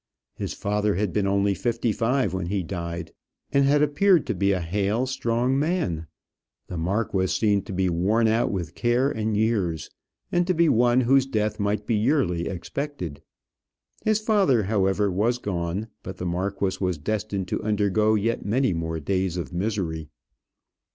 His father had been only fifty five when he died, and had appeared to be a hale, strong man. The marquis seemed to be worn out with care and years, and to be one whose death might be yearly expected. His father, however, was gone; but the marquis was destined to undergo yet many more days of misery.